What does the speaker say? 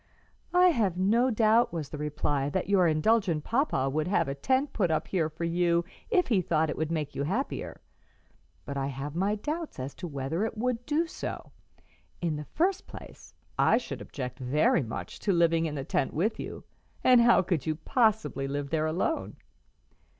"I have no doubt," was the reply, "that your indulgent papa would have a tent put up here for you if he thought it would make you happier, but I have my doubts as to whether it would do so. In the first place, I should object very much to living in the tent with you, and how could you possibly live there alone?"